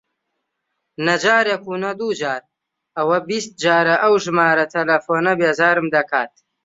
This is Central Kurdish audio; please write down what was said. نە جارێک و نە دوو جار، ئەوە بیست جارە ئەو ژمارە تەلەفۆنە بێزارم دەکات.